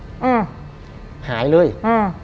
อืมหายเลยอืม